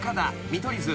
見取り図。